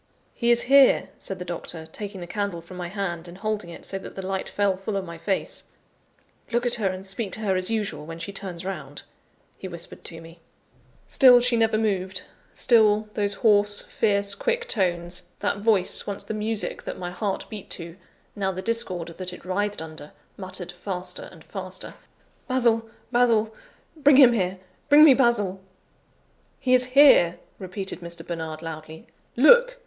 "He is here," said the doctor, taking the candle from my hand, and holding it, so that the light fell full on my face. "Look at her and speak to her as usual, when she turns round," he whispered to me. Still she never moved; still those hoarse, fierce, quick tones that voice, once the music that my heart beat to; now the discord that it writhed under muttered faster and faster: "Basil! Basil! Bring him here! bring me Basil!" "He is here," repeated Mr. Bernard loudly. "Look!